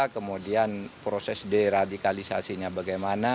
kemudian proses deradikalisasinya bagaimana